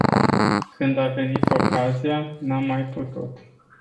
Când a venit ocazia, n-am mai putut.